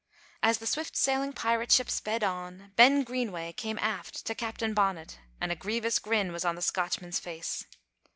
As the swift sailing pirate ship sped on, Ben Greenway came aft to Captain Bonnet, and a grievous grin was on the Scotchman's face.